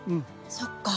そっか。